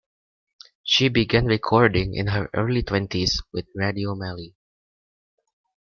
She began recording in her early twenties with Radio Mali.